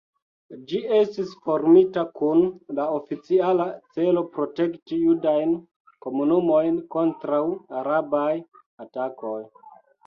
Ĝi estis formita kun la oficiala celo protekti judajn komunumojn kontraŭ arabaj atakoj.